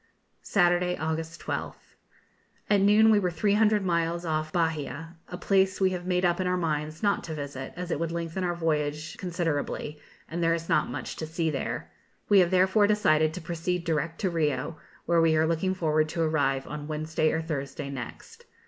Saturday, August 12th. At noon we were 300 miles off Bahia, a place we have made up our minds not to visit, as it would lengthen our voyage considerably, and there is not much to see there. We have therefore decided to proceed direct to Rio, where we are looking forward to arrive on Wednesday or Thursday next.